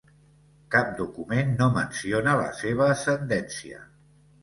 Cap document no menciona la seva ascendència.